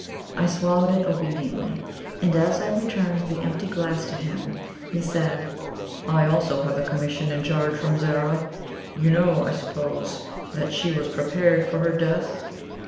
I swallowed it obediently, and as I returned the empty glass to him he said: "I also have a commission in charge from Zara. You know, I suppose, that she was prepared for her death?"